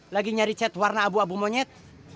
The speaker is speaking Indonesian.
lagi nyari chat warna abu abu monyet